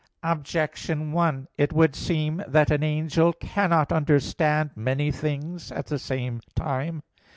Objection 1: It would seem that an angel cannot understand many things at the same time.